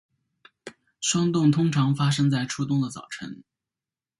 霜冻通常发生在初冬的早晨。